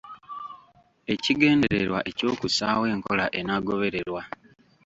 Ekigendererwa eky’okussaawo enkola enaagobererwa.